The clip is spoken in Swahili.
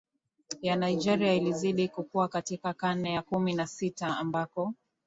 ya Nigeria ilizidi kukua katika karne ya kumi na Tisa ambako